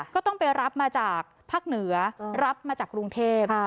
ก็ต้องไปรับมาจากภาคเหนือรับมาจากกรุงเทพ